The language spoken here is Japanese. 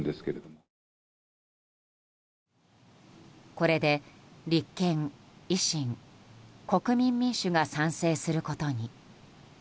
これで立憲、維新、国民民主が賛成することに。